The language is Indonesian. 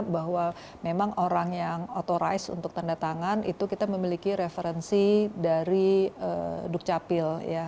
bahwa memang orang yang authorize untuk tanda tangan itu kita memiliki referensi dari dukcapil